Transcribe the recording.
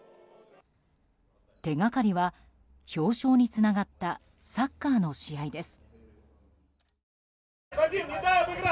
手掛かりは表彰につながったサッカーの試合です。